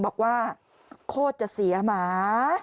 บอกว่าโคตรจะเสียหมา